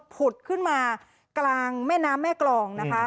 ผุดขึ้นมากลางแม่น้ำแม่กรองนะคะ